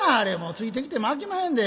ついてきてもあきまへんで。